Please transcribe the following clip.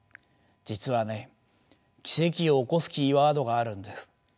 実はね奇跡を起こすキーワードがあるんです。